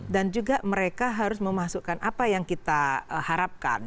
dan juga mereka harus memasukkan apa yang kita harapkan